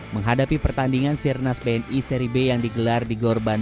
menghadapi pertandingan sirnas bni seri b yang digelar di gorban